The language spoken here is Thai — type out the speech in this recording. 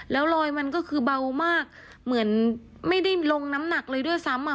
แล้วรอยมันก็คือเบามากเหมือนไม่ได้ลงน้ำหนักเลยด้วยซ้ำอ่ะ